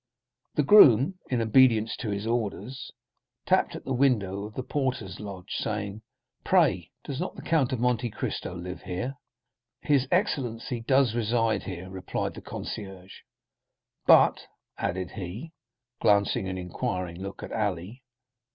The groom, in obedience to his orders, tapped at the window of the porter's lodge, saying: "Pray, does not the Count of Monte Cristo live here?" "His excellency does reside here," replied the concierge; "but——" added he, glancing an inquiring look at Ali.